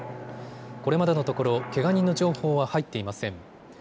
これまでのところけが人の情報は入っていません。